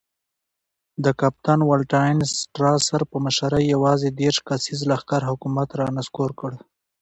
د کپټان والنټاین سټراسر په مشرۍ یوازې دېرش کسیز لښکر حکومت را نسکور کړ.